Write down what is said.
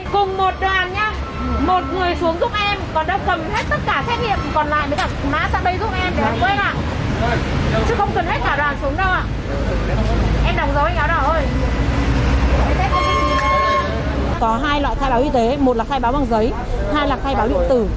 có hai loại khai báo y tế một là khai báo bằng giấy hai là khai báo điện tử